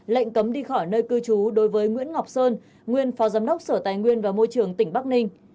lệnh cấm đi khỏi nơi cư trú đối với nguyễn ngọc sơn nguyên phó giám đốc sở tài nguyên và môi trường tỉnh bắc ninh